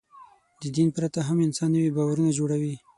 د دین پرته هم انسان نوي باورونه جوړوي.